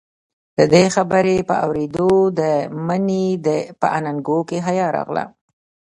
د دې خبرې په اورېدو د مينې په اننګو کې حيا راغله.